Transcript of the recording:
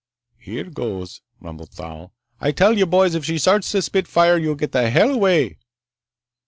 "Here goes," rumbled Thal. "I tell you, boys, if she starts to spit fire, you get the hell away!"